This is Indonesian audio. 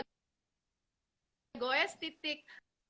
kalau enggak goes titik